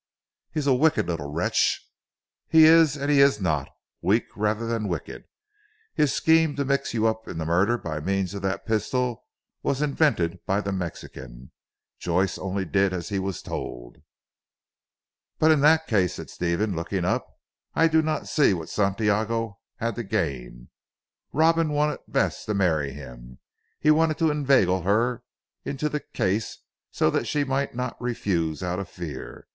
"He is a wicked little wretch!" "He is and he is not. Weak rather than wicked. His scheme to mix you up in the murder by means of that pistol was invented by the Mexican. Joyce only did as he was told." "But in that case," said Stephen looking up, "I do not see what Santiago had to gain. Robin wanted Bess to marry him. He wanted to inveigle her into the case so that she might not refuse out of fear.